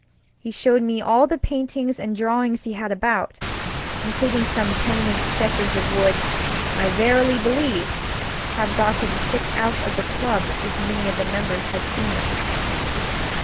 He showed me all the paintings and drawings he had about; including some pen and ink sketches that would, I verily believe, have got him kicked out of the club if, many of the members had seen them.